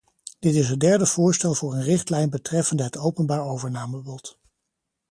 Dit is het derde voorstel voor een richtlijn betreffende het openbaar overnamebod.